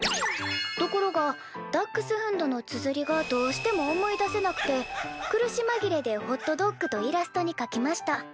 ところが『Ｄａｃｈｓｈｕｎｄ』のつづりがどうしても思い出せなくて苦しまぎれで『ＨＯＴＤＯＧ』とイラストに書きました。